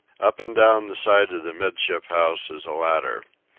Up and down the side of the 'midship house is a ladder.